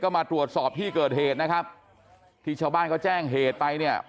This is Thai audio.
มาตรวจสอบที่เกิดเหตุนะครับที่ชาวบ้านเขาแจ้งเหตุไปเนี่ย